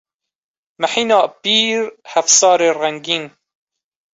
Mehîna pîr, hefsarê rengîn.